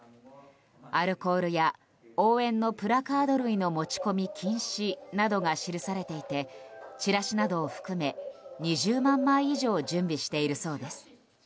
アルコールや応援のプラカード類の持ち込み禁止などが記されていてチラシなどを含め、２０万枚以上準備しているそうです。